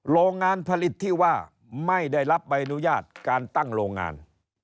โรงงานผลิตที่ว่าไม่ได้รับใบอนุญาตการตั้งโรงงาน